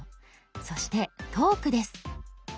そして「トーク」です。